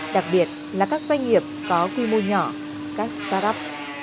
đặc biệt là các doanh nghiệp có quy mô nhỏ các start up